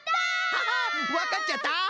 ハハッわかっちゃった！